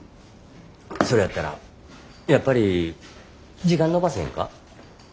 それやったらやっぱり時間延ばさへんか？